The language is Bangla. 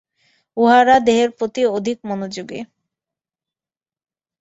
উহারা দেহের প্রতি অধিক মনোযোগী।